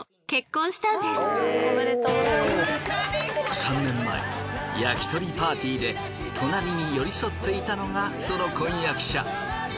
３年前焼き鳥パーティーで隣に寄り添っていたのがその婚約者。